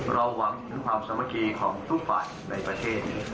เราหวังถึงความสามัคคีของทุกฝ่ายในประเทศ